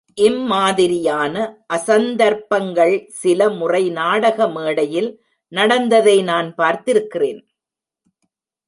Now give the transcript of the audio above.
இம் மாதிரியான அசந்தர்ப்பங்கள் சில முறை நாடக மேடையில் நடந்ததை நான் பார்த்திருக்கிறேன்.